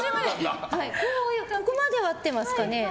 ここまでは合ってますかね。